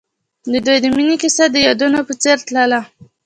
د دوی د مینې کیسه د یادونه په څېر تلله.